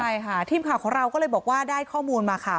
ใช่ทีมข่าวก็เลยบอกว่าได้ข้อมูลมาค่ะ